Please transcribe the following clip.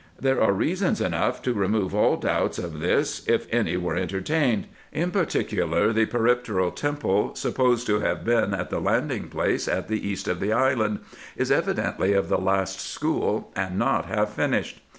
There are reasons enough to remove all doubts of this, if any were entertained : in particular, the peripteral temple, supposed to have been at the landing place at the east of the island, is evidently of the last school, and not half finished.